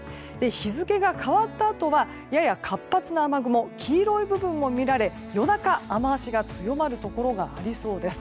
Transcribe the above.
日付が変わったあとはやや活発な雨雲黄色い部分も見られ夜中、雨脚が強まるところがありそうです。